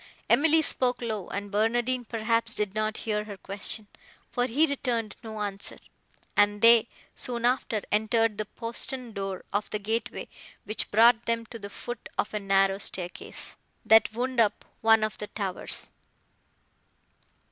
Emily spoke low, and Barnardine, perhaps, did not hear her question, for he returned no answer; and they, soon after, entered the postern door of the gateway, which brought them to the foot of a narrow staircase that wound up one of the towers.